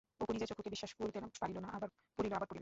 অপু নিজের চক্ষুকে বিশ্বাস করিতে পারিল না,-আবার পড়িল-আবার পড়িল।